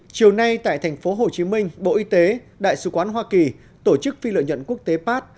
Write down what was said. chiều nay tại tp hcm bộ y tế đại sứ quán hoa kỳ tổ chức phi lợi nhuận quốc tế pat